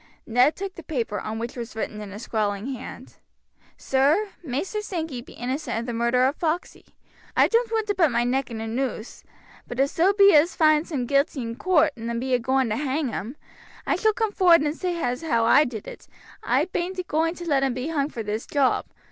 Ned took the paper, on which was written in a scrawling hand: "Sir, Maister Sankey be innocent of the murder of Foxey. I doan't want to put my neck in a noose, but if so be as they finds him guilty in coort and be a going to hang him, I shall come forward and say as how I did it. I bean't agoing to let him be hung for this job.